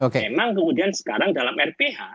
memang kemudian sekarang dalam rph